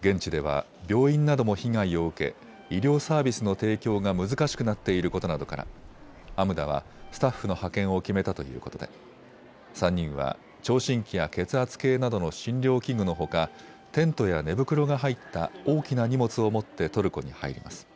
現地では病院なども被害を受け医療サービスの提供が難しくなっていることなどからＡＭＤＡはスタッフの派遣を決めたということで３人は聴診器や血圧計などの診療器具のほかテントや寝袋が入った大きな荷物を持ってトルコに入ります。